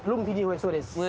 そうです